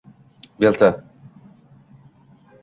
belta